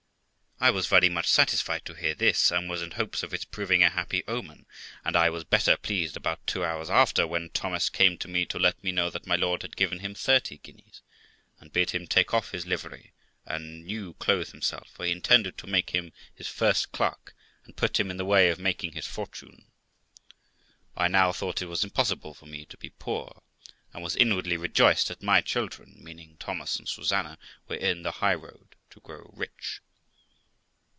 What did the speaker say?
I was very much satisfied to hear this, and was in hopes of its proving a happy omen; and I was better pleased about two hours after, when Thomas came to me to let me know that my lord had given him thirty guineas, and bid him take off his livery, and new clothe himself, for he intended to make him his first clerk, and put him in the way of making his fortune. I now thought it was impossible for me to be poor, and was inwardly rejoiced that my children (meaning Thomas and Susanna) were in the high road to grow rich.